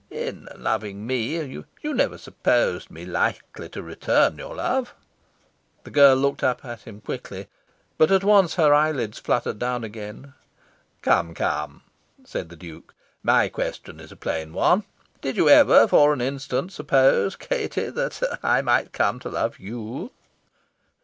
In loving me, you never supposed me likely to return your love?" The girl looked up at him quickly, but at once her eyelids fluttered down again. "Come, come!" said the Duke. "My question is a plain one. Did you ever for an instant suppose, Katie, that I might come to love you?"